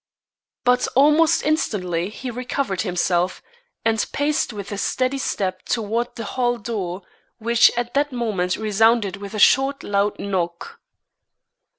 But almost instantly he recovered himself, and paced with a steady step toward the hall door, which at that moment resounded with a short loud knock.